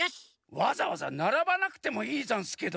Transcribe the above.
わざわざならばなくてもいいざんすけど。